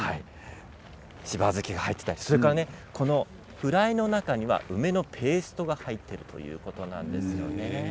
しば漬けが入っていたりそれからフライの中には梅のペーストが入っているということなんですよね。